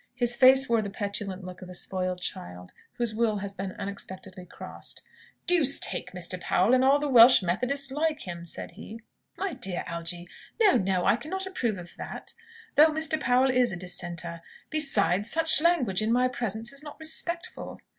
His face wore the petulant look of a spoiled child, whose will has been unexpectedly crossed. "Deuce take Mr. Powell, and all Welsh Methodists like him!" said he. "My dear Algy! No, no; I cannot approve of that, though Mr. Powell is a Dissenter. Besides, such language in my presence is not respectful."